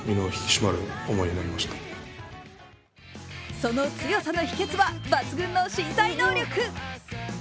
その強さの秘けつは抜群の身体能力。